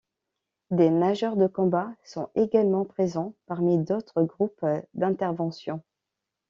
Des nageurs de combat sont également présents parmi d'autres groupes d'intervention.